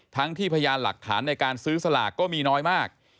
ทั้งที่พยานหลักฐานในการซื้อสลากก็มีน้อยมาก